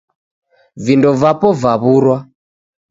Vindo vapo vaw'urwa.